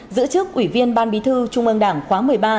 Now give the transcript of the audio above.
giữ chức ủy viên ban bí thư trung ương đảng khóa một mươi ba